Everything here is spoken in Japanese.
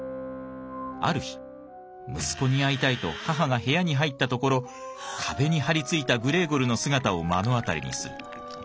ある日息子に会いたいと母が部屋に入ったところ壁に張り付いたグレーゴルの姿を目の当たりにする。